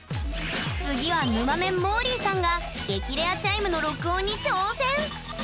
次はぬまメン・もーりーさんが激レアチャイムの録音に挑戦！